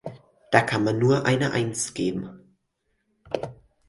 Da kann man nur eine "Eins" geben.